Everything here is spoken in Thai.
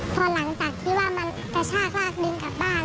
พอหลังจากที่ว่ามันกระชากลากลิงกลับบ้าน